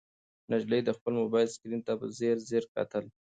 نجلۍ د خپل موبایل سکرین ته په ځیر ځیر کتل.